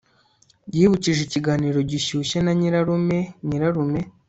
yibukije ikiganiro gishyushye na nyirarume nyirarume